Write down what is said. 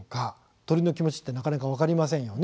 鳥の気持ちはなかなか分かりませんよね。